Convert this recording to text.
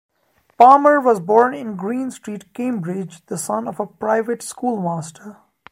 Palmer was born in Green Street, Cambridge the son of a private schoolmaster.